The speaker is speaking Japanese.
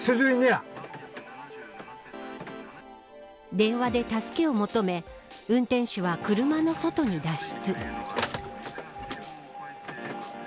電話で助けを求め運転手は車の外に脱出。